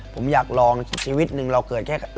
ผมอยากลองชีวิตหนึ่งเราเกิดแค่